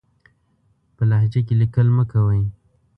په لهجه کې ليکل مه کوئ!